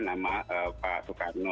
nama pak soekarno